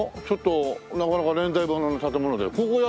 ちょっとなかなか年代物の建物だよ。